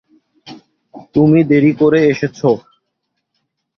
তুমি দেরি করে এসেছ।